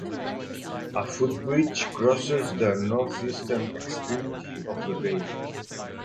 A footbridge crosses the northeastern extremity of the bay.